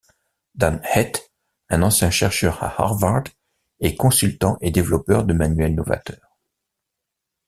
Dan Heath, un ancien chercheur à Harvard, est consultant et développeur de manuels novateurs.